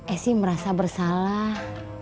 esi merasa bersalah